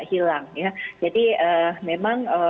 hilang jadi memang